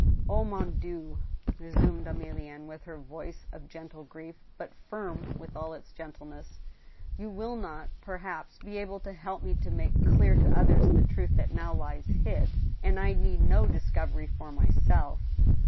"Omon Dieu!" resumed Emilienne, with her voice of gentle grief, but firm with all its gentleness, " you will not, perhaps, be able to help me to make clear to others the truth that now lies hid, and I need no discovery for myself.